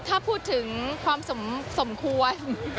ถ้าพูดถึงความสมควร